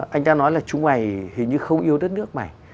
anh ta nói là chúng mày hình như không yêu đất nước mày